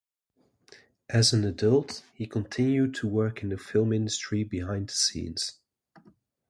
As an adult, he continued to work in the film industry behind the scenes.